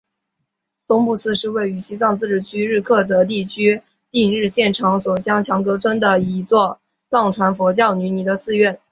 宗布寺是位于西藏自治区日喀则地区定日县长所乡强噶村的一座藏传佛教女尼的寺院。